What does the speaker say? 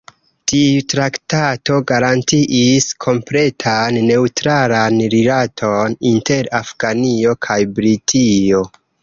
Tiu traktato garantiis kompletan neŭtralan rilaton inter Afganio kaj Britio.